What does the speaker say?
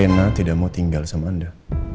ena tidak mau tinggal sama anda